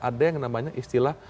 ada yang namanya istilah